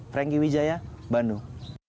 franky wijaya bandung